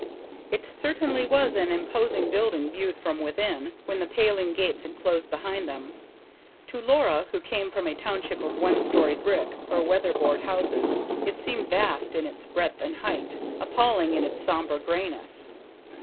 It certainly was an imposing building viewed from within, when the paling gate had closed behind them. To Laura, who came from a township of one storied brick or weatherboard houses, it seemed vast in its breadth and height, appalling in its sombre greyness.